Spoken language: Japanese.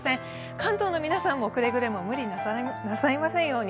関東の皆さんもくれぐれも無理なさいませんように。